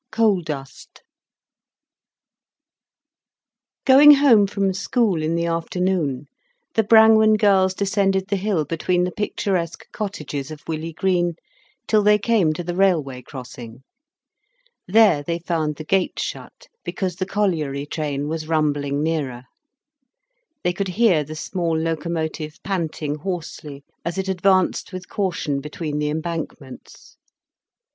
COAL DUST Going home from school in the afternoon, the Brangwen girls descended the hill between the picturesque cottages of Willey Green till they came to the railway crossing. There they found the gate shut, because the colliery train was rumbling nearer. They could hear the small locomotive panting hoarsely as it advanced with caution between the embankments.